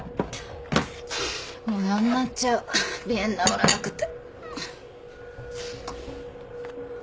もうやんなっちゃう鼻炎治らなくて。